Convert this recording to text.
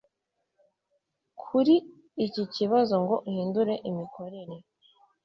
kuri iki kibazo ngo ahindure imikorere